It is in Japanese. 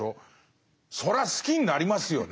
それは好きになりますよね。